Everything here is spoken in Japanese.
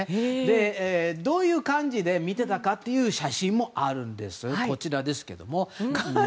どういう感じで見ていたかという写真もあるんです。